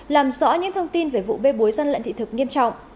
làm rõ những thông tin về vụ bê bối dân lận thị thực nghiêm trọng